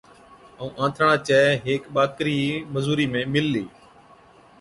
ائُون آنٿڻان چَي هيڪ ٻاڪرِي مزُورِي ۾ مِللِي۔